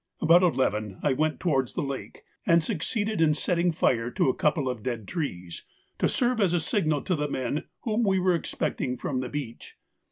About eleven I went towards the lake and succeeded in setting fire to a couple of dead trees, to serve as a signal to the men whom we were expecting from the beach.